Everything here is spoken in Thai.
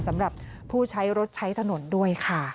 สำหรับผู้ใช้รถใช้ถนนด้วยค่ะ